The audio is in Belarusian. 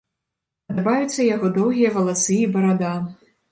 Падабаюцца яго доўгія валасы і барада.